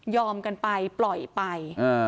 กันไปปล่อยไป